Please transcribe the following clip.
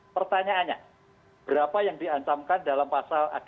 pertanyaannya berapa yang diantamkan dalam pasal ag